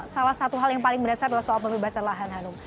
salah satu hal yang paling mendasar adalah soal pembebasan lahan hanum